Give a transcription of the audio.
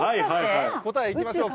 答えいきましょうか。